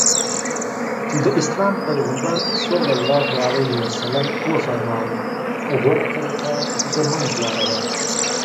د اسلام پيغمبر ص وفرمايل غوره طريقه د منځ لاره ده.